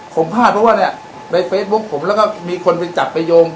ผมพลาดเพราะว่าเนี่ยในเฟซบุ๊คผมแล้วก็มีคนไปจับไปโยง